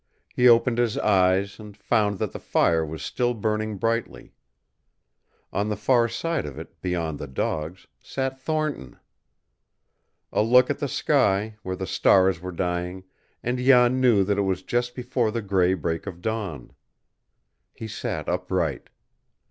He opened his eyes, and found that the fire was still burning brightly. On the far side of it, beyond the dogs, sat Thornton. A look at the sky, where the stars were dying, and Jan knew that it was just before the gray break of dawn. He sat upright.